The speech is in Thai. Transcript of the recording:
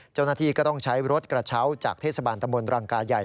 เจ้าหน้าที่ก็ต้องใช้รถกระเช้าจากเทศบาลตะมนตรังกาใหญ่